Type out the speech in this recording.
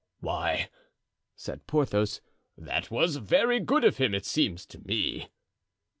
'" "Why," said Porthos, "that was very good of him, it seems to me."